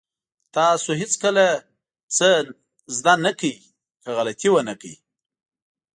تاسو هېڅکله څه زده نه کړئ که غلطي ونه کړئ.